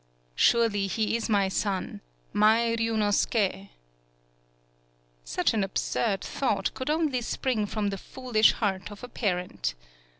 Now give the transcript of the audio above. "Surely he is my son, my Ryunosuke." Such an absurd thought could only spring from the foolish heart of a parent.